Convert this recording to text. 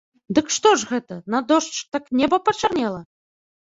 Ды што ж гэта, на дождж так неба пачарнела?